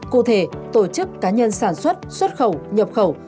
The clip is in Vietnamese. cụ thể tổ chức cá nhân sản xuất xuất khẩu nhập khẩu